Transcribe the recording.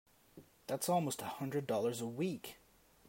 That's almost a hundred dollars a week!